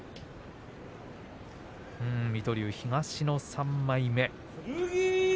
水戸龍、東の３枚目。